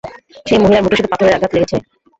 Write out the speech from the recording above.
সেই মহিলার মুখে শুধু পাথরের আঘাত লেগেছে।